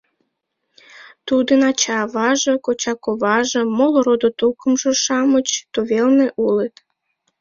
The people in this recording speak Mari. Тудын ача-аваже, коча-коваже, моло родо-тукымжо-шамыч тувелне улыт.